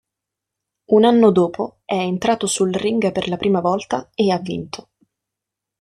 Un anno dopo è entrato sul ring per la prima volta e ha vinto.